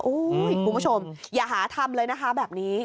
ก็มีผู้ผู้ชมอย่าหาทำเลยนะคะแบบนี้